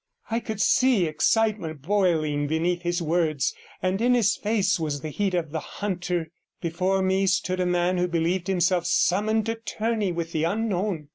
I could see excitement boiling beneath his words, and in his face was the heat of the hunter; before me stood a man who believed himself summoned to tourney with the unknown.